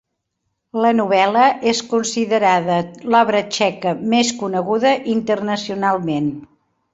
La novel·la és considerada l'obra txeca més coneguda internacionalment.